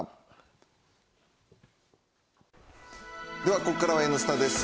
ここからは「Ｎスタ」です。